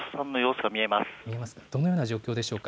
どのような状況ですか。